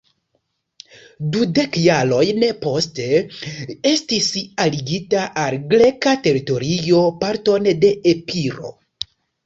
Dudek jarojn poste, estis aligita al la greka teritorio parton de Epiro.